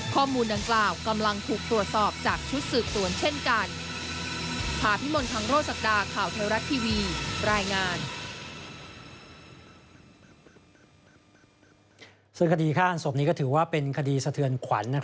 ข้อมูลดังกล่าวกำลังถูกตรวจสอบจากชุดสืบตรวจเช่นกัน